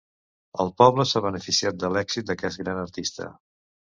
El poble s'ha beneficiat de l'èxit d'aquest gran artista.